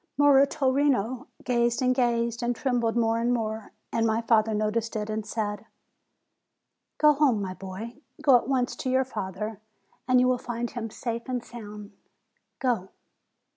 "Muratorino" gazed and gazed, and trembled more and more, and my father noticed it and said : "Go home, my boy; go at once to your father, and you will find him safe and sound; go!"